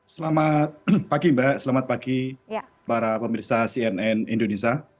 selamat pagi mbak selamat pagi para pemerintah cnn indonesia